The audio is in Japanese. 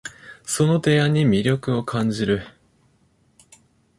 その提案に魅力を感じる